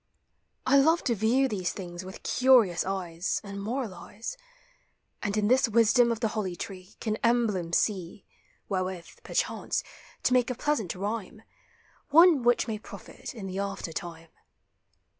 I love to view these things with curious eyes, And moralize ; And in this wisdom of the holly tree Can emblems see Wherewith, perchance, to make a pleasant rhyme, One which may profit in the after time.